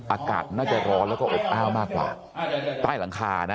อากาศน่าจะร้อนแล้วก็อบอ้าวมากกว่าใต้หลังคานะ